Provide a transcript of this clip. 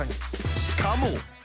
［しかも］